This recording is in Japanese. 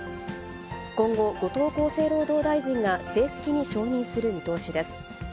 今後、後藤厚生労働大臣が正式に承認する見通しです。